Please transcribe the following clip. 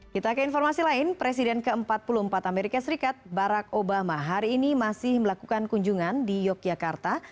kita ke informasi lain presiden ke empat puluh empat amerika serikat barack obama hari ini masih melakukan kunjungan di yogyakarta